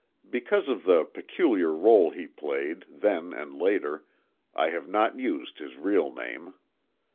(Because of the peculiar role he played, then and later, I have not used his real name.)